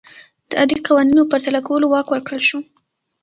د عادي قوانینو پرتله کولو واک ورکړل شو.